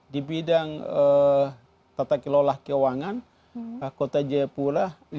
di bidang tatah kelola keuangan kota jayapura lima kali